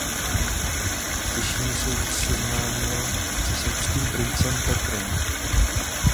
V Těšíně se seznámil se srbským princem Petrem.